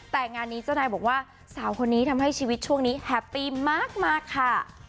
แต่งานนี้เจ้านายบอกว่าสาวคนนี้ทำให้ชีวิตช่วงนี้แฮปปี้มากค่ะ